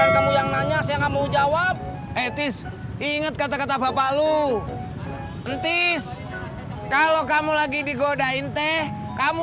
kamu yang nanya saya nggak mau jawab etis ingat kata kata bapak lu entis kalau kamu lagi digodain teh kamu